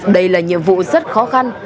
đây là nhiệm vụ rất khó khăn